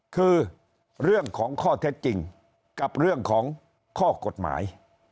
คือเรื่องของข้อเท็จจริงกับเรื่องของข้อกฎหมาย